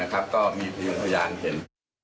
ก็มีคือพยายาม